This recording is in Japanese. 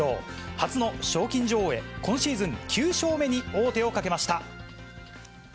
初の賞金女王へ、今シーズン９勝目に王手をかけました。